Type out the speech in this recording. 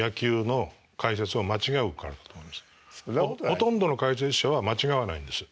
ほとんどの解説者は間違わないんです。